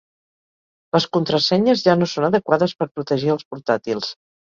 Les contrasenyes ja no són adequades per protegir els portàtils.